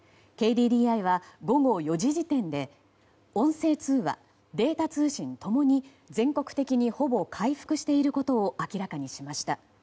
ＫＤＤＩは午後４時時点で音声通話、データ通信共に全国的にほぼ回復していることを明らかにしました。